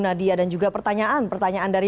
orang indonesia yang kami